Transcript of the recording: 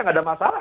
tidak ada masalah